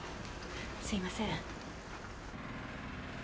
すいません。